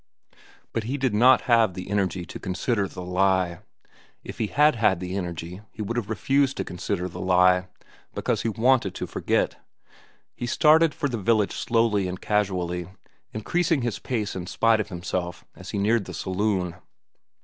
But he did not have the energy to consider the lie. If he had had the energy, he would have refused to consider the lie, because he wanted to forget. He started for the village slowly and casually, increasing his pace in spite of himself as he neared the saloon.